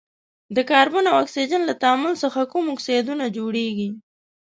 د کاربن او اکسیجن له تعامل څخه کوم اکسایدونه جوړیږي؟